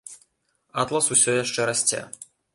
Атлас усё яшчэ расце.